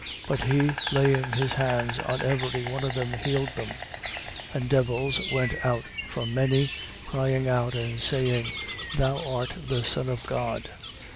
But he, laying his hands on every one of them, healed them. 4:41. And devils went out from many, crying out and saying: Thou art the son of God.